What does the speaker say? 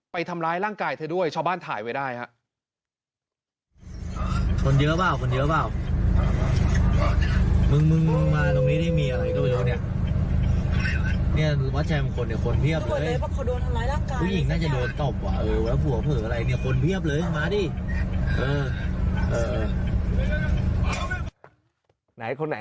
ไปทำร้ายร่างกายเธอด้วยชาวบ้านถ่ายไว้ได้ครับ